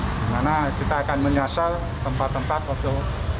dimana kita akan menyasal tempat tempat atau